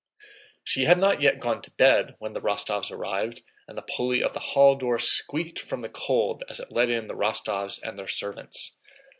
She had not yet gone to bed when the Rostóvs arrived and the pulley of the hall door squeaked from the cold as it let in the Rostóvs and their servants.